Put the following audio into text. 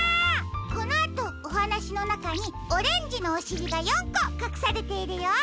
このあとおはなしのなかにオレンジのおしりが４こかくされているよ。